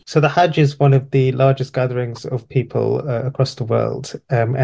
jadi haji adalah salah satu penumpang terbesar di seluruh dunia